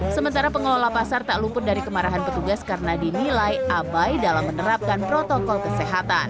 sementara pengelola pasar tak luput dari kemarahan petugas karena dinilai abai dalam menerapkan protokol kesehatan